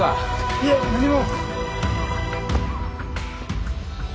いえ何も。